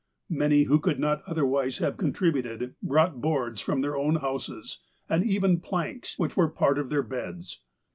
Many, who could not otherwise have contributed, brought boards from their own houses, and even planks, which were part of their beds.